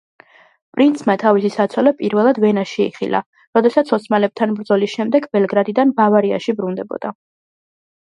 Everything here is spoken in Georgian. პრინცმა თავისი საცოლე პირველად ვენაში იხილა, როდესაც ოსმალებთან ბრძოლის შემდეგ ბელგრადიდან ბავარიაში ბრუნდებოდა.